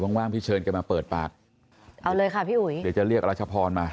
ว่างพี่เชิญกันมาเปิดปากเอาเลยค่ะพี่อุ๋ยเดี๋ยวจะเรียกรัชพรมา